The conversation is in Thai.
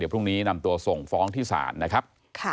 พรุ่งนี้นำตัวส่งฟ้องที่ศาลนะครับ